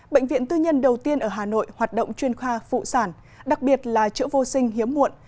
bệnh viện tư nhân đầu tiên ở hà nội hoạt động chuyên khoa phụ sản đặc biệt là chữa vô sinh hiếm muộn